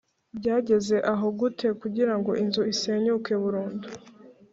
Byageze aho gute kugirango inzu isenyuke burundu?